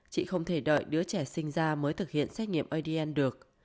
chị không thể đợi đứa trẻ sinh ra mới thực hiện xét nghiệm adn được